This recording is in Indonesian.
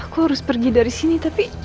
aku harus pergi dari sini tapi